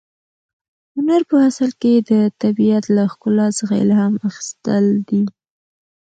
هنر په اصل کې د طبیعت له ښکلا څخه الهام اخیستل دي.